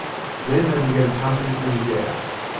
Then they began pumping in gas.